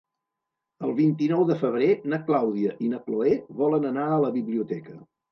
El vint-i-nou de febrer na Clàudia i na Cloè volen anar a la biblioteca.